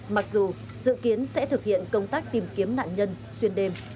mặc dù dự kiến sẽ thực hiện công tác tìm kiếm nạn nhân xuyên đêm